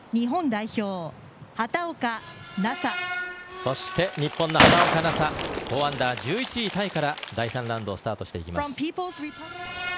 そして日本の畑岡奈紗４アンダー、１１位タイから第３ラウンドをスタートしていきます。